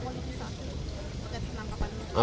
ada anggapan politik saja